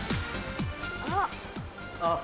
あっ。